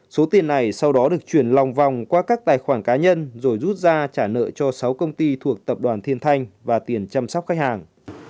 số tiền này sau đó được chuyển lòng vòng qua các tài khoản cá nhân rồi rút ra trả nợ cho sáu công ty thuộc tập đoàn thiên thanh và tiền chăm sóc khách hàng